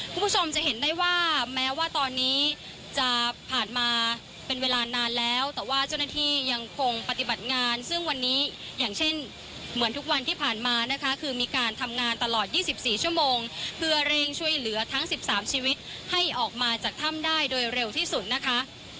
คุณผู้ชมจะเห็นได้ว่าแม้ว่าตอนนี้จะผ่านมาเป็นเวลานานแล้วแต่ว่าเจ้าหน้าที่ยังคงปฏิบัติงานซึ่งวันนี้อย่างเช่นเหมือนทุกวันที่ผ่านมานะคะคือมีการทำงานตลอด๒๔ชั่วโมงเพื่อเร่งช่วยเหลือทั้ง๑๓ชีวิตให้ออกมาจากถ้ำได้โดยเร็วที่สุดนะคะ